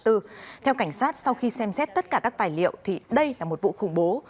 theo cảnh sát sau khi xem xét tất cả các tài liệu thì đây là một vụ khủng bố